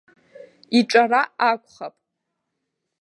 Иҿара акәхап.